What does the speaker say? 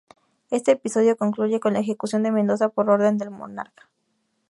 Este episodio concluye con la ejecución de Mendoza por orden del monarca.